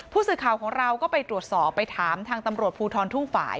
ผู้สื่อข่าวของเราก็ไปตรวจสอบไปถามทางตำรวจภูทรทุ่งฝ่าย